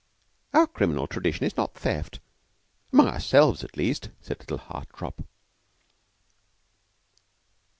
"Our criminal tradition is not theft among ourselves, at least," said little Hartopp.